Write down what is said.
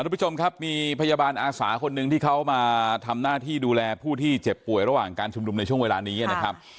ทุกผู้ชมครับมีพยาบาลอาสาคนหนึ่งที่เขามาทำหน้าที่ดูแลผู้ที่เจ็บป่วยระหว่างการชุมนุมในช่วงเวลานี้นะครับ